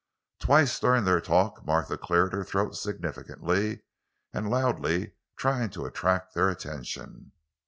Twice during their talk Martha cleared her throat significantly and loudly, trying to attract their attention.